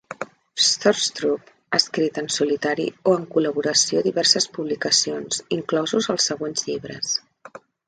Stroustrup ha escrit en solitari o en col·laboració diverses publicacions, inclosos els següents llibres.